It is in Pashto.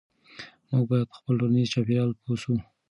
موږ باید په خپل ټولنیز چاپیریال پوه سو.